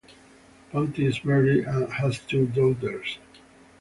Ponty is married and has two daughters.